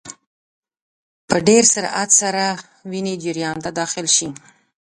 په ډېر سرعت سره د وینې جریان ته داخل شي.